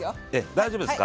大丈夫ですか？